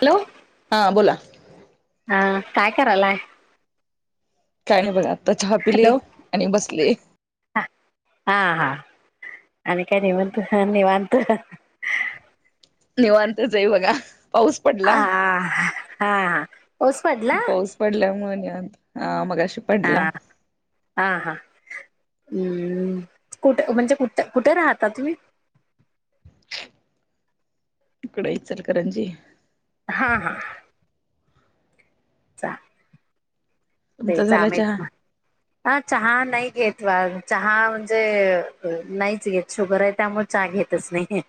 Hello हा बोला. हा काय करायलाय? काय नाही बघा, आता चहा पिले हॅलो आणि बसले. हा हा आणि काय निवांत? हा निवांत. निवांत च आहे बगा. पाऊस पडला हा हा हा पाऊस पडला पाऊस पडल्यामुळे निवांत. हा मगाशी हा पडला. हा हा हम्म, कुठे म्हणजे कुठ कुठे राहता तुम्ही. ह [unintelligible] इकड इचलकरंजी. हा हा. ते तुमचा च झाला चहा मठ हा चहा नाही घेत [unintelligible] चहा म्हणजे नाहीच घेत शुगर आहे त्यामुळे चहा घेतच नाही.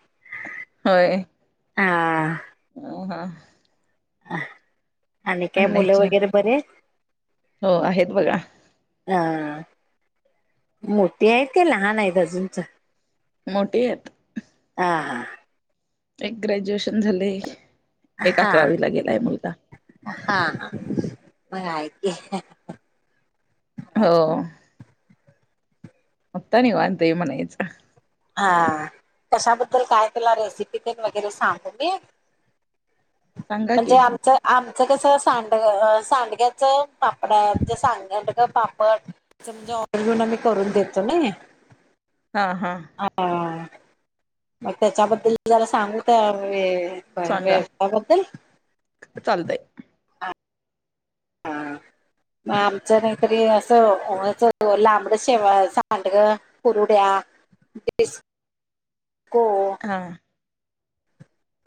होय हा हा. अ [unintelligible] आणि काय नाही मुलं चहा वगैरे बरे आहेत. हो आहेत बघा मोठे आहेत काय लहान आहेत अजून. मोठीे आहेत. हा एक ग्रॅज्युएशन झाले आहे. एक हा हा अकरावीला गेलाय मुलगा. हा मग हाय की. हो. आता निवांत आहे म्हणायचं. हा कशाबद्दल काय तुला रेसिपी तेन पण वगैरे सांगू मी. सांगा की म्हणजे आमचं आम. मच कस. सांडगं-सांडग्याच पापडा हाय. म्हणजे सांडग्याच पापड म्हणजे. ऑर्डर घेऊन आम्ही करून देतो नई. हा हा. मग त्याच्याबद्दल जरा सांगू काय आम्ही. सांगा य ववता बदल चालतंय [unintelligible] हम. मग आमचं नाहीतरी. असंच लांबड शेवाय. सांड. कुरुड्या. डिस्को. हा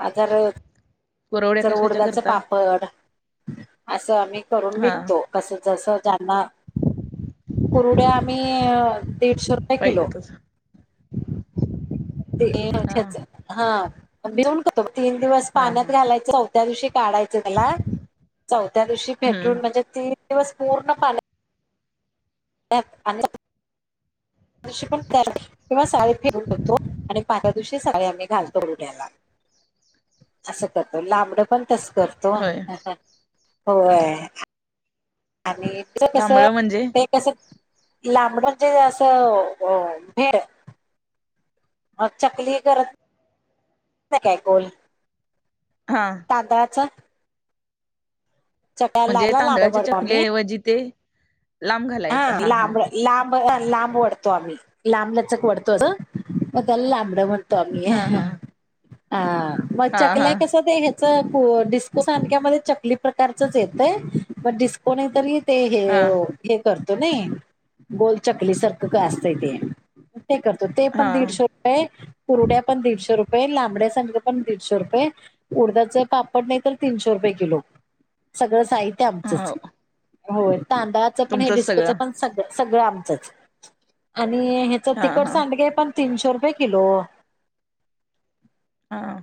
आ जर कुरवड्या जर कशाच्या उडदाच करता पापड. [unintelligible] असं आम्ही करून हा विकतो कस जस ज्यांना कुरुड्या, आम्ही दीडशे रुपये पाहिजे किलो. तसं [unintelligible] हा ती हा भिऊन कातो तीन दिवस हा पाण्यात हा घालायच चौथ्या दिवशी काढायचे त्याला चौथ्या दिवशी, हम्म फेटून म्हणजे तीन दिवस पूर्ण पाण्या ह आणि [unintelligible] दिव पण किंवा साडी फिरू. शकतो आणि पाऱ्या दिवशी [unintelligible] आम्ही घालो्यायला [unintelligible] अस करतो लांबड पण तस करतो होय होय. आणि तुं [unintelligible] कस लांबळ म्हणजे ते कसं लांबडाचे असं अ भेळ मग चकली करत क काय कोल [unintelligible] हा तांदळाचा. म्हणजे लागला लांब तांदळाचे पडतो चकली आम्ही ऐवजी तेे लांब घालायच हा हा. [unintelligible] ब लाबवढतो आम्ही ल लांबलचक वढ तोल अ म त्याल लांबड म्हण तोमी हा हा हा मग हा हा चकल्या कसं ते य पो डिस्को सांडक्या मध्ये चकली प्रकारचच येतय म डिस्को नाही तरी ते हे हा हे करतो नई गोल चकली सारखं का असतंय ते ते करतो ते पण हा दीडशे रुपये, कुरुड्या पण दीडशे रुपये. लांबड्या सग पण दीडशे रुपये, उडदाचे पापड नाही तर तीनशे, रुपये किलो. सगळं साहित्य आमचंच हा होय तांदळाचं पण हे तुमचंच डिस्कोच सगळं पण सगळं. सगळं आमचंच आणि ह्याच हा तिखट हा सांडगे पण. तीनशो रुपये किलो. हा.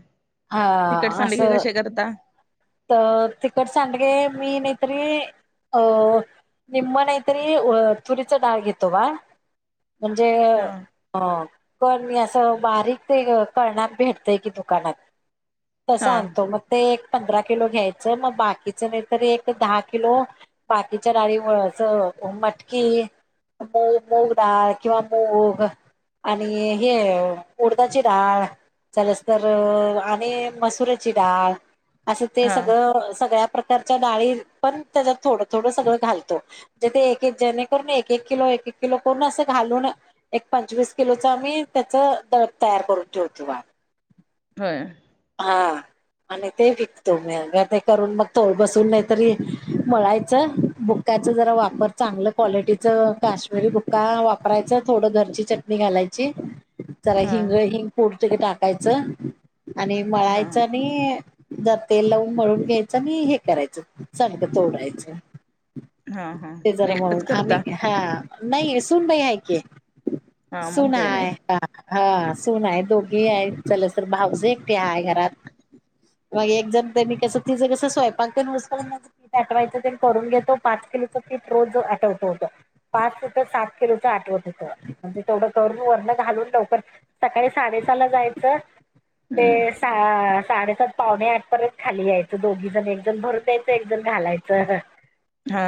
हा तिकट सांडगे असं कसे करता तर तिखट सांडगे मी नाहीतरी अ निम्म नयतरी तुरीच डाळग येत वा.. म्हणजे हा अ. पण मी असं बारीक ते करणात भेटतय की दुकानात. तस हा आणतो मग ते एक पंधरा किलो घ्यायच मग बाकीच नाही एक, दहा किलो बाकीच्या डाळी मटकी मुग मूगडाळ किंवा मूग आणि हे उडदाची डाळ. चलस, तर आणि मसुऱची डाळ असं ते हा सगळं, सगळ्या, प्रकारच्या डाळी, पण त्याच्यात थोड, थोड, सगळं घालतो जेणेून किलो. एक एक किलो आस घालून, एक पंचवीस किलो च आम्ही त्याच दळन तयार करून ठेवतो बा हा. होय. हा. आणि ते विकतो मॅ ग ते करून मग थोड बसून नाही तरी मळायचं बुक त्याच जरा वापर चांगलं, क्वालिटीच काश्मीरी बुक्का वापरायचं, थोडं घरची चटणी घालायची. ची. जरा हा हिंग, हिंग, पुरतं टाकायचं आणि हा मळायचं आणि जर तेल लाउन मळून घ्यायचं नी, हे करायचं चांगल चोडायचं. हा हा ते जरा म्हणून एकटंच करता आम्ही हा. नाही सुून नाई आहे की हा मग काही नाही सुनहाय हा सून आहे दोघी आहे चलास, तर भाऊज एकटे हाय घरात. मग एक जण त्यांनी कसं तिझं कस स्वयंपाकसी [unintelligible] आठवायचं ते करून घेतो. पाठ.. फिलॉसोपीट रोज आठवत होत. पाच फुट सात किलोचं आठवत होत म्हणजे तेवढं करुन वर्ण घालून लवकर सकाळी साडे शेताला जायचं ते हम्म सा साडेसात पावणे आठ पर्यंत खाली यायचं दोघी जण एकजण भरुन द्यायचा एकजण घालायचं ह. हा.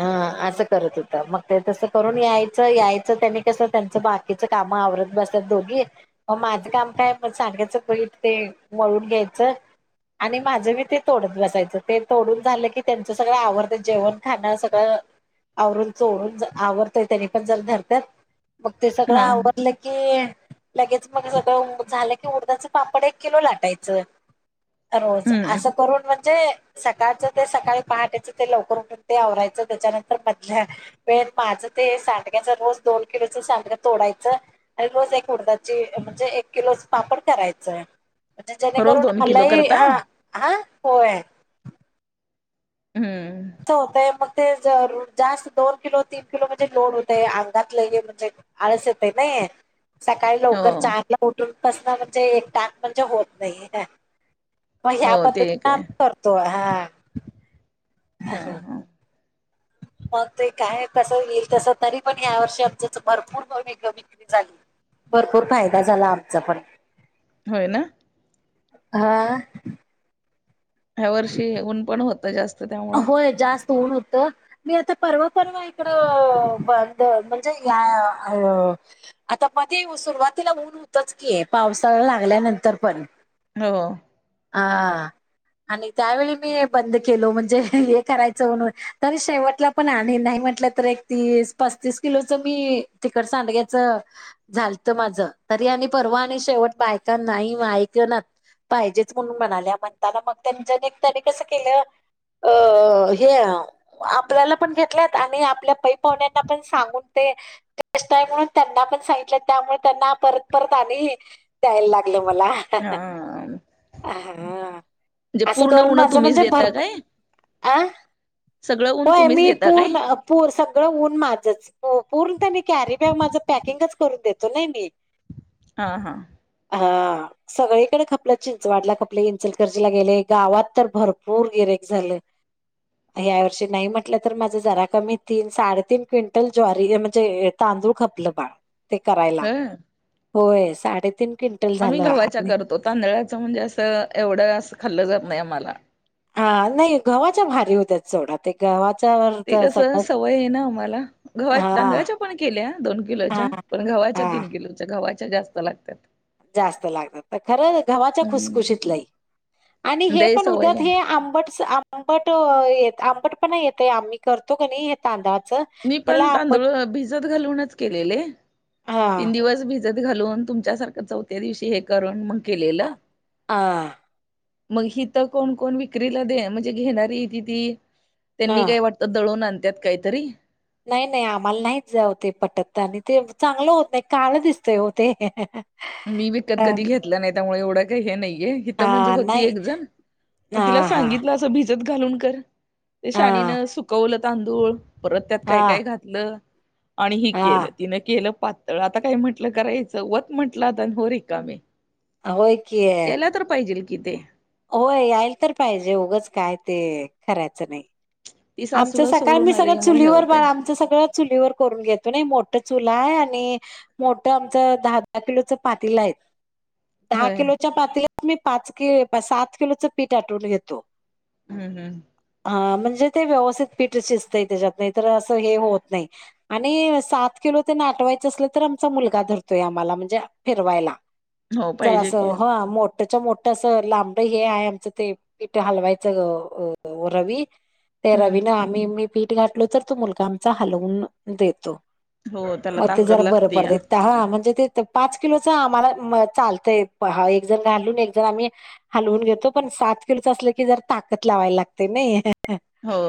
ह असं करत होता मग ते तसं करून यायचं यायच त्यांनी कसं त्यांचं बाकीच काम आवर रुन बसत दोघी म माझं काम काय म सांडग्याच पीठ तेन मळून घ्यायचं. आणि माझं मी ते तोडत बसायचं ते तोडून झालं की त्यांचं सगळं आवरतय जेवण खाणं सगळं आवरून चोरून ज आवरतोय त्यांनी पण जरा धरत्यात. मग ते सगळं हा आवरलं की लगेच मग सगळं झाल उडदाच पापड एक किलो लाटायचं रोज हम्म असं करून म्हणजे सकाळचं ते सकाळी पहाटेचं ते लवकर उठुन ते आवरायचं त्याच्यानंतर मधल्या वेळेत माझं ते सांडड्याच रोज दोन किलोच सांड तोडायचं आणि रोज एक उडदाची म्हणजे एक किलोच पापड करायच. म्हणजे रोज जेणेकरून दोन किलो आलाही करता हा, हा होय. हम्म त होतय मग. ते जरूर जास्त दोन किलो तीन किलो म्हणजे लोड होतय अंगात लई म्हणजे आळस येतय नई. ह. सकाळी हो लवकर चारला उठून पसन म्हणजे एक टाक म्हणजे होत नाही. [inaudible] मग हो ह्या ते एक पद्धतीन आहे आम्ही करतो हा. [inaudible] हा, हा. मग ते काय तस येईल तस तरी पण हयावर्षी आमचच भरपूर ब भू विक्री झाली. भरपूर फायदा झाला आमचा पण. होयना. हा. ह्या वर्षीऊन पण होत जास्त त्यामुळं होय जास्त. तुन होत मी आता परवा परवा इकडं बंद म्हणजे या आता मध्ये सुरुवातीला ऊन होतच की पावसाळा लागल्यानंतर पण हो. हा. आणि त्यावेळी मी बंद केलो म्हणजे हे करायचं म्हणून तरी शेवटला पण आणि नाही. म्हटलं तर एक तीस, पस्तीस किलोच मी तिखट सांडग्याच झालत माझं. तरी आणि परवा आणि शेवट बायकां नाही ओ ऐकनात पाहिजेत म्हणून म्हणाल्या म्हणताना मग त्यांच्याने त्यानी कसं केलं? अ हे आपल्याला पण घेतल्यात आणि आपल्या पै पाहुण्यांना पण सांगून ते ते टेस्ट हाय म्हणून त्यांना पण सांगितल्यात त्यामुळे त्यांना परत परत आणि द्यायला लाग आलं मला [inaudible] हा म्हणजे आ हा असं पूर्ण करून ऊन माझं तुम्हीच म्हणजे देता भरपू काय [inaudible] आ सगळं ऊन होय तुम्हीच मी देता काय पूर्ण पूर सगळं ऊन माझच हो. पूर्ण त्यांनी कॅरी बॅग माझ पॅकिंग करूनच देतो नाही मी. [inaudible] हा, हा. हा सगळीकडे खप आपलं चिंचवाडला खपले इंचलकरंजीला गेले गावात तर भरपूर गिराईक झाल. या वर्षी नाही म्हटलं तर माझा जरा कमी तीन, साडेतीन क्विंटल ज्वारी म्हणजे अ तांदूळ. तांदूळ खपलं बाळ ते करायला. ह [inaudible] होय साडेतीन क्विंटल आम्ही झालं गव्हाच्या आणि करतो तांदळाचं म्हणजे असं एवढं असं खाल्लं जात नाही आम्हाला. हा नाही गव्हाच्या भारी होत्यात सोडा. ते गव्हात ते कस सवय आहे ना आम्हाला गव्हा हा तांदळाच्या पण केल्या दोन हा किलोच्या पण गव्हाच्या त्या हा तीन किलोच्या गव्हाच्या जास्त लागतात. जास्त लागतात. तर खरं गव्हाच्या हम्म खुसखुशीत लई. आणि हे ते पण सवय उद्यात आहे हे आंबट-आंबट येत. आंबट पण येतेय. आम्ही करतो का नाही तांदळात. मी पण तांदूळ भिजत घालूनच केलेले. हा तीन दिवस भिजत. घालून तुमच्या सारखं चौथ्या दिवशी हे करून मग केलेलं. हा मग हि तर कोण-कोण विक्रीला दे म्हणजे घेणारी ती त्यांनी काय वाटतं. दळून आणतात काहीतरी. नाही-नाही आम्हाला नाहीच जाव ते पटत. आणि ते चांगलं होत नाही. काळ दिसतय ओ ते. मी विकत हा कधी घेतलं नाही त्यामुळे एवढं काही हे नाही. ये हिथ म्हणजे हा होती नाही एक जण. हा मग तिला हा सांगितलं असं भिजत घालून कर ते हा शानीनं सुकवलं तांदूळ. परत त्यात हा काय-काय घातलं. आणि हि केलं हा तिनं केलं पातळ. आता काय म्हंटलं करायचं वत म्हंटलं आता आणि हो रिकामी. होय कि. किते. होय यायल तर पाहिजे उगंच काय ते करायचं नाही. ती आमचं सासूला सकाळ सोडून मी सगळं आल्यामुळे हे चुलीवर होतय बाळ आमच सगळं चुलीवर करून घेतो नाइ मोठ चुल आणि मोठ आमच दहा-दहा किलोच पातील आहेत. दहा होय किलोच्या पातीलात मी पाच किलो, सात किलोचं पीठ आठवून घेतो. हम्म, हम्म. हा म्हणजे ते व्यवस्थित पीठ शिजतंय तेज्यात नायतर अस हे होत नाही आणि सात किलो तेन आठवाय असल तर आमचा मुलगा धरतोय आम्हाला म्हणजे अ फिरवायला हो पाहिजे की जरासं हा मो त्याच्या मोठ अस लांबड हे आहे आमचं ते पिठ हलवायचं अ रवी ते हम्म रवीन आम्ही मी पीठ घातलो तर तो मुलगा आमचा हलवून देतो. हो त्याला मग ते ताकद जरा बरं लागते या पडतय हा म्हणजे ते पाच किलो च आम्हाला म चालतय हा एक जण घालून एक जण आम्ही हलवून घेतो पण सात किलोच असलं की जर ताकद लावाय लागते नई. हो.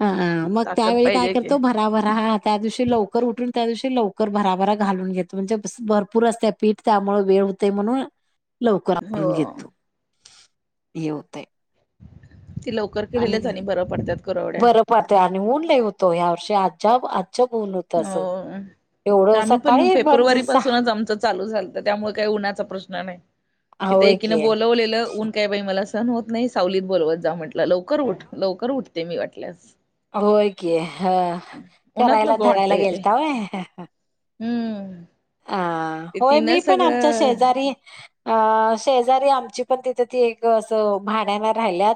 हा. मग ताकद त्यावेळी काय पाहिजे की करतो भराभरा हा त्या दिवशी लवकर उठून त्या दिवशी लव कर भराभरा घालून घेतो म्हणजे भरपूर असतय पीठ त्यामुळ वेळ हुतय म्हणून लवकर हो आवरुन घेतो हे हुतय. ती लवकर केलेलेच आणि बरं पडत्यात कुरवड्या बरं पडतय आणि ऊन लई होत ह्यावर्षी आजब होय. आम्ही पण सकाळी फेपूरवारी म्हणजे सहा पासूनच आमचं चालू झालत त्यामुळ काय उन्हाचा प्रश्न नाही. इथं होय एकीनं की बोलवलेलं ऊन काय बाई मला सहन होत नाही सावलीत बोलवत जा म्हटलं लवकर उठ, लवकर उठते मी वाटल्यास. होय की हं, उन्हात करायला नको धराय वाटतं ला इथे गेल्ता होय? हम्म हां. ते होय तिन मी पण आमच्या सगळं शेजारी, आं शेजार ए आमची पण तिथं ती एक असं भाड्यानं राहिल्यात.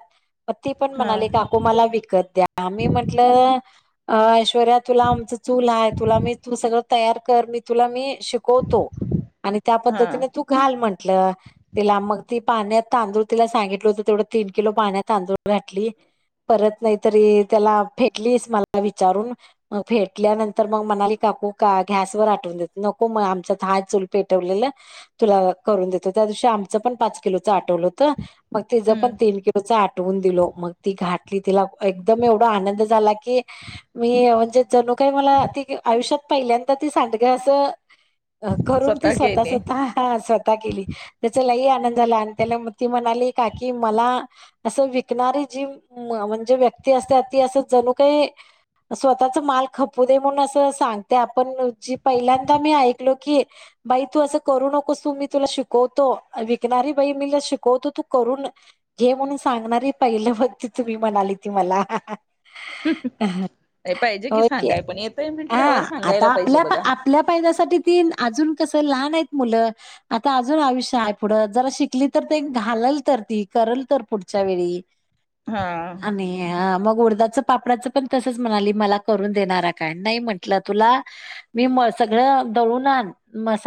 ती पण हा म्हणाली काकु मला विकत द्या, मी म्हटलं अं पोरा तुला आमचं चूल हाय. तुला मी तू सगळं तयार कर, मी तुला मी शिकवतो आणि त्या हा पद्धतीने तू घाल म्हण ल, तिला मग ती पाण्यात तांदूळ तिला सांगितलं होत तेवढं तीन किलो पाण्यात तांदूळ घातली. परत न्हाईत. तरी त्याला फेटलीस मला विचारून म फेटल्यानंतर मग म्हणाली काकू का घ्या सवर आटवून देतो नको म आमच्यात हाय चुल पेटवलेलं, तुला करून देतो. त्यादिवशी आमचा पण पाच किलोचं आटवलं होत. मग तिजं पण हम्म तीन किलोचं आटवून दिलो. मग ती घातली, तिला एकदम एवढा आनंद झाला की मी म्हणजे जणू काय मला ती आयुष्यात पहिल्यांदाच ती सांडग असं [inaudible] अ करून ती स्वतः स्वतः स्वतः केली त्याचा लई आनंद झाला आणि त्याला म ती म्हणाली काकी मला अस विकणारी जी म म्हणजे व्यक् ती असत्या ती अस जणू काही स्वतःचा माल खपू दे म्हणून असं सांगत्या जी पहिल्यांदा मी ऐकलो की बाई तू असं करू नकोस तू मी तुला शिकवतो विकणारी बाई मीला शिकवतो तू करून घे म्हणून सांगणारी पहिलं वक्ती तुम्ही म्हणाली ती मला. [unintelligible] होय की सांगाय पण येतय हा म्हटल्यावर आता सांगायला पाहिजे आपल्या बघा आपल्या पायद्यासाठी ती अजून कस लहान आहेत मुलं आता अजून आयुष्य हाय पुढ जरा शिकली तर घालल तर ती. करल तर पुढच्या वेळी. हा. आणि मग उडदाचं पापडाचं पण तसंच म्हणाली मला करून देणारा काय नाई म्हंटलं तुला मी म सगळं दळून आण मसा